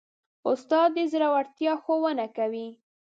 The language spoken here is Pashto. استاد د زړورتیا ښوونه کوي.